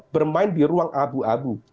bermain di ruang abu abu